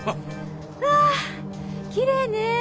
はあきれいね！